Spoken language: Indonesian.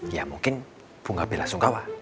ya mungkin bunga bela sungkawa